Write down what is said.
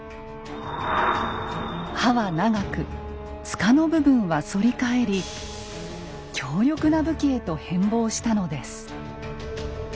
刃は長く柄の部分は反り返り強力な武器へと変貌したのです。